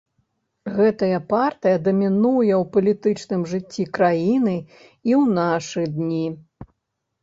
Гэтая партыя дамінуе ў палітычным жыцці краіны і ў нашы дні.